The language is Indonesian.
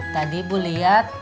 tadi ibu lihat